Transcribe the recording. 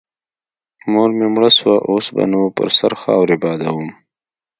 مور مې مړه سوه اوس به نو پر سر خاورې بادوم.